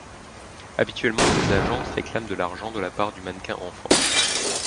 Habituellement, ces agences réclament de l'argent de la part du mannequin enfant.